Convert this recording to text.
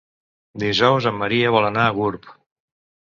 Dijous en Maria vol anar a Gurb.